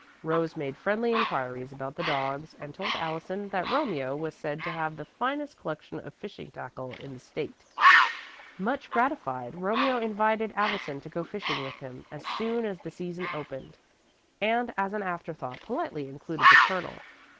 Rose made friendly inquiries about the dogs and told Allison that Romeo was said to have the finest collection of fishing tackle in the State. Much gratified, Romeo invited Allison to go fishing with him as soon as the season opened, and, as an afterthought, politely included the Colonel.